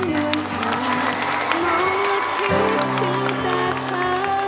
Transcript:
หยุดถึงตาเธอ